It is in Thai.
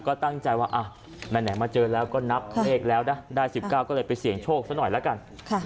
ก็ตั้งใจว่าไหนมาเจอแล้วก็นับเลขแล้วนะได้๑๙ก็เลยไปเสี่ยงโชคซะหน่อยละกัน